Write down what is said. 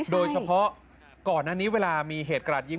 โดยเฉพาะก่อนอันนี้เวลามีเหตุกระดาษยิง